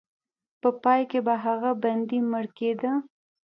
په پای کې به هغه بندي مړ کېده.